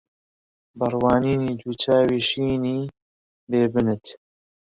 بە ڕوانینی دوو چاوی شینی بێ بنت